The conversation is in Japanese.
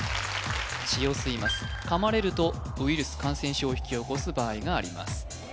血を吸います噛まれるとウイルス感染症を引き起こす場合があります